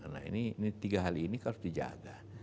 nah ini tiga hal ini harus dijaga